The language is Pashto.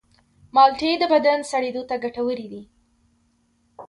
مالټې د بدن سړېدو ته ګټورې دي.